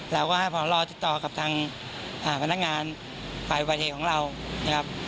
แล้วก็ให้พรติดต่อกับทางพนักงานฝ่ายประเทศของเรา